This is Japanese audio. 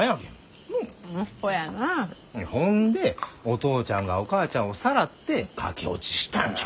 ほんでお父ちゃんがお母ちゃんをさらって駆け落ちしたんじゃ。